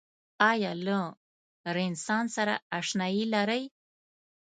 آیا له رنسانس سره اشنایې لرئ؟